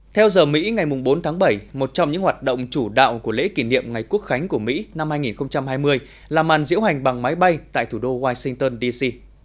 theo giờ mỹ ngày bốn tháng bảy một trong những hoạt động chủ đạo của lễ kỷ niệm ngày quốc khánh của mỹ năm hai nghìn hai mươi là màn diễu hành bằng máy bay tại thủ đô washington dc